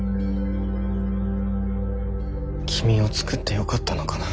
君を作ってよかったのかな。